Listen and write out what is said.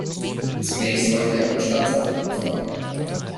Zunächst wollte ich eine Bestandsaufnahme vornehmen.